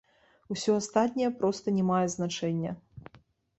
Усё астатняе проста не мае значэння.